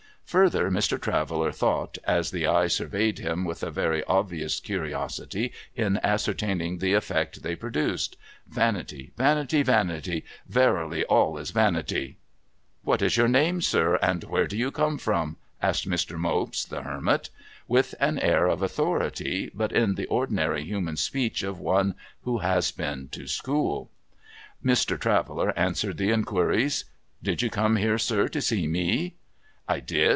Further, Mr. Traveller thought, as the eye surveyed him with a very obvious curiosity in ascertaining the effect they produced, ' Vanity, vanity, vanity ! Verily, all is vanity !'' What is your name, sir, and where do you come from ?' asked Mr. Mopes the Hermit — with an air of authority, but in the ordinary human speech of one who has been to school. Mr. Traveller answered the inquiries. ' Did you come here, sir, to see mc ?'' I did.